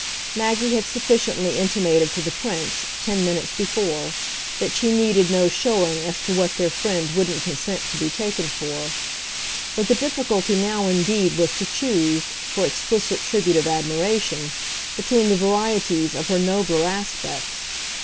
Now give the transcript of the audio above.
Maggie had sufficiently intimated to the Prince, ten minutes before, that she needed no showing as to what their friend wouldn't consent to be taken for; but the difficulty now indeed was to choose, for explicit tribute of admiration, between the varieties of her nobler aspects.